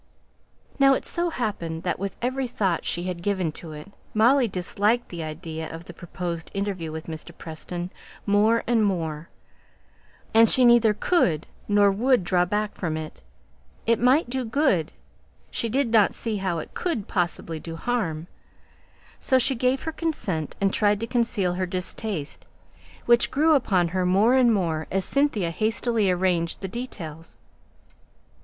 Now it so happened that with every thought she had given to it, Molly disliked the idea of the proposed interview with Mr. Preston more and more; but it was, after all, her own offer, and she neither could nor would draw back from it; it might do good; she did not see how it could possibly do harm. So she gave her consent, and tried to conceal her distaste, which grew upon her more and more as Cynthia hastily arranged the details.